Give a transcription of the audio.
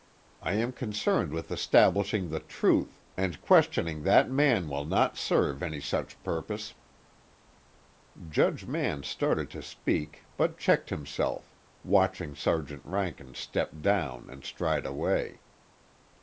I am concerned with establishing the truth, and questioning that man will not serve any such purpose." Judge Mann started to speak but checked himself, watching Sergeant Rankin step down and stride away.